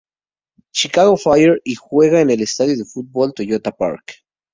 Chicago Fire y juega en el estadio de fútbol Toyota Park.